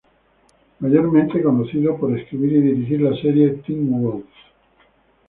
Mayormente conocido por escribir y dirigir la serie Teen Wolf.